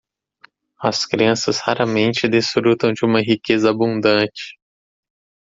As crianças raramente desfrutam de uma riqueza abundante.